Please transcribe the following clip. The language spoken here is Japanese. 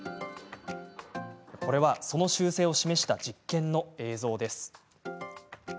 これは、その習性を示した実験の映像です。